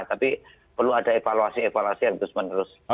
tapi perlu ada evaluasi evaluasi yang terus menerus